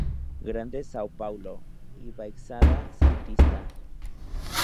Grande São Paulo y Baixada Santista